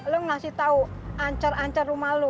lo ngasih tau ancar ancar rumah lo